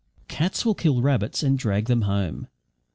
Cats will kill rabbits and drag them home.